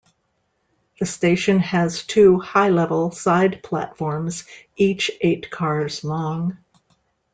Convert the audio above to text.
The station has two high-level side platforms each eight cars long.